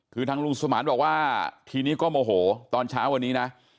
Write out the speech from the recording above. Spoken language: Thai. คือทางลุงสมานบอกว่าทีนี้ก็โมโหตอนเช้าวันนี้นะ